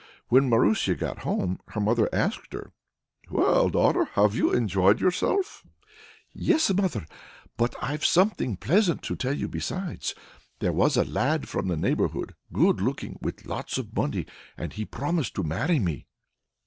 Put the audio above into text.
When Marusia got home, her mother asked her: "Well, daughter! have you enjoyed yourself?" "Yes, mother. But I've something pleasant to tell you besides. There was a lad there from the neighborhood, good looking and with lots of money, and he promised to marry me."